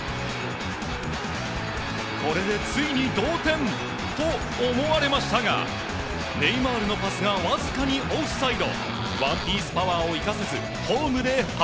これでついに同点と思われましたがネイマールのパスがわずかにオフサイド。